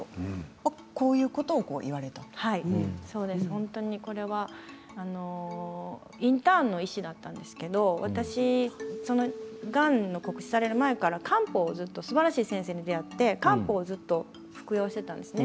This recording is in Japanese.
本当に、これはインターンの医師だったんですけれど私はがんの告知をされる前からすばらしい先生に出会って漢方を服用していたんです。